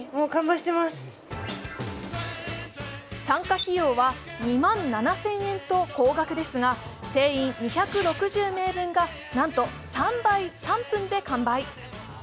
参加費用は２万７０００円と高額ですが定員２６０名分がなんと３分で完売。